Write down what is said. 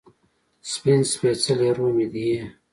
سپین سپيڅلې روح مې یې